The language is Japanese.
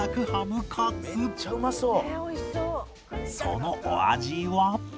そのお味は？